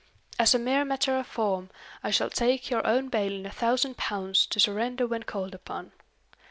As a mere matter of form, I shall take your own bail in a thousand pounds to surrender when called upon."